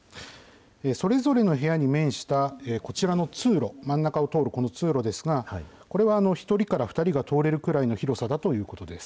それぞれの部屋に面したこちらの通路、真ん中を通るこの通路ですが、これは１人から２人が通れるくらいの広さだということです。